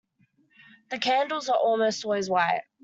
The candles are almost always white.